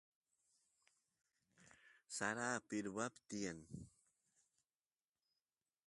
sara pirwapi tiyan